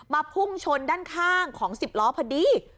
พุ่งชนด้านข้างของ๑๐ล้อพอดี